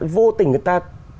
vô tình người ta